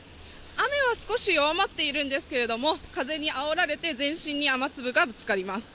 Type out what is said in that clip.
雨は少し弱まっているんですけれども風にあおられて全身に雨粒がぶつかります